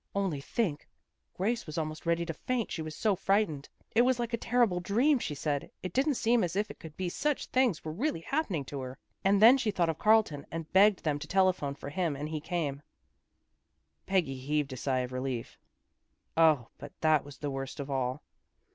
Only think! Grace was almost ready to faint, she was so frightened. It was like a terrible dream, she said. It didn't seem as if it could be such things were really happening to her. And then she thought of Carlton, and begged them to telephone for him, and he came." A PATHETIC STORY 249 Peggy heaved a sigh of relief. " 0, but that was the worst of all.